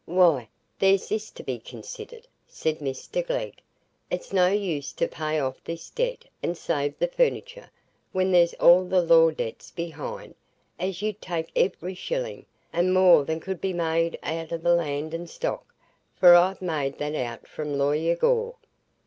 "Why, there's this to be considered," said Mr Glegg. "It's no use to pay off this debt and save the furniture, when there's all the law debts behind, as 'ud take every shilling, and more than could be made out o' land and stock, for I've made that out from Lawyer Gore.